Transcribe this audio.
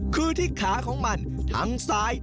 คือที่ขาของมันทั้งซ้าย